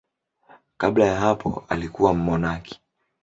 Kabla ya hapo alikuwa mmonaki.